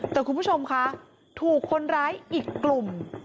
แต่คุณผู้ชมคะถูกคนร้ายอีกกลุ่ม